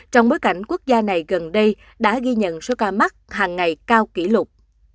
trong bối cảnh quốc gia này gần đây đã ghi nhận số ca mắc hàng ngày cao kỷ lục